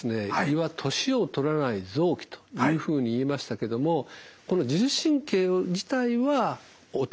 胃は年をとらない臓器というふうに言いましたけども自律神経自体は衰えていく。